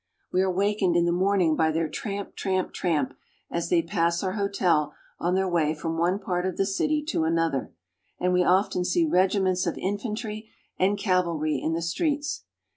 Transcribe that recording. We are awakened in the morning by their tramp, tramp, tramp, as they pass our hotel on their way from one part of the city to another, and we often see regiments of infantry and cavalry in the streets.